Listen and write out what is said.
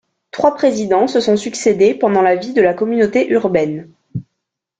Trois présidents se sont succédé pendant la vie de la communauté urbaine.